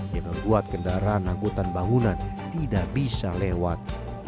yang membuat kendaraan angkutan bangunan tidak bisa lewat